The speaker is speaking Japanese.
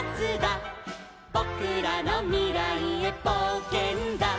「ぼくらのみらいへぼうけんだ」